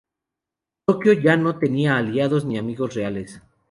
Tokio ya no tenía aliados ni amigos reales.